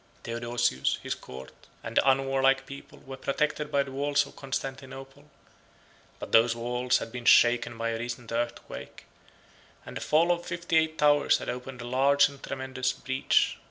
20 Theodosius, his court, and the unwarlike people, were protected by the walls of Constantinople; but those walls had been shaken by a recent earthquake, and the fall of fifty eight towers had opened a large and tremendous breach.